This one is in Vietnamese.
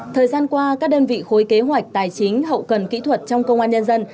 thời gian qua các đơn vị khối kế hoạch tài chính hậu cần kỹ thuật trong công an nhân dân